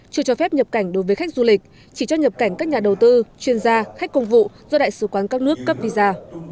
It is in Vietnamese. chưa cho phép nhập cảnh đối với khách du lịch chỉ cho nhập cảnh các nhà đầu tư chuyên gia khách công vụ do đại sứ quán các nước cấp visa